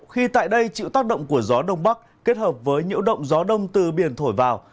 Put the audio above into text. khi tại đây chịu tác động của gió đông bắc kết hợp với nhiễu động gió đông từ biển thổi vào